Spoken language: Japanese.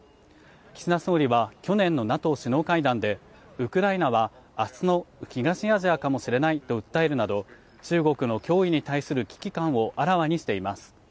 岸田総理は、去年のＮＡＴＯ首脳会談でウクライナは明日の東アジアかもしれないと訴えるなど、中国の脅威に対する危機感をあらわにしています。